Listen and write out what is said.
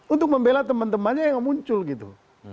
untuk membela teman temannya yang muncul gitu